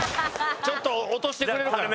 ちょっと落としてくれるかな？